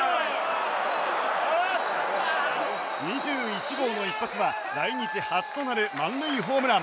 ２１号の一発は来日初となる満塁ホームラン。